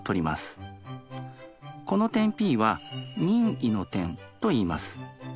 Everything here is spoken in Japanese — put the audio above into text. この点Ｐは任意の点といいます。